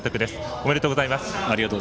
ありがとうございます。